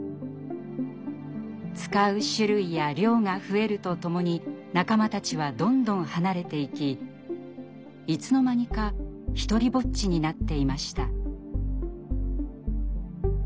使う種類や量が増えるとともに仲間たちはどんどん離れていきいつの間にか独りぼっちになっていました。